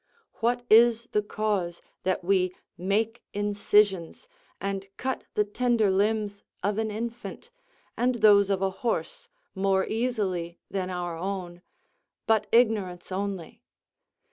What is the cause that we make incisions, and cut the tender limbs of an infant, and those of a horse, more easily than our own but ignorance only?